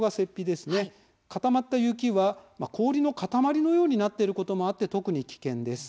固まった雪は氷の塊のようになっていることもあって特に危険です。